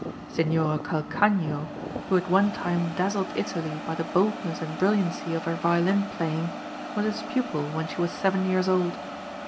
Signora Calcagno, who at one time dazzled Italy by the boldness and brilliancy of her violin playing, was his pupil when she was seven years old.